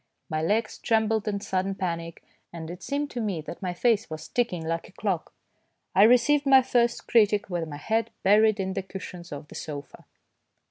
My legs trembled in sudden panic, and it seemed to me that my face was ticking like a clock. I received my first THE PRICE OF PEACE 163 critic with my head buried in the cushions of the sofa.